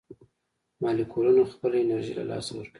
مالیکولونه خپله انرژي له لاسه ورکوي.